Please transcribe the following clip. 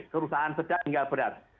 kerusakan sedang hingga berat